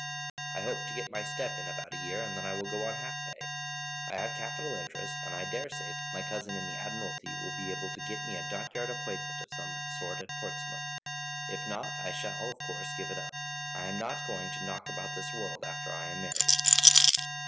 "I hope to get my step in about a year; then I will go on half pay. I have capital interest, and I daresay my cousin in the Admiralty will be able to get me a dockyard appointment of some sort at Portsmouth; if not, I shall, of course, give it up. I am not going to knock about the world after I am married."